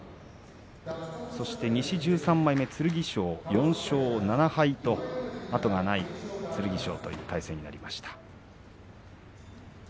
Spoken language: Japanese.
西１３枚目、剣翔は４勝７敗と後がない剣翔という対戦になりました。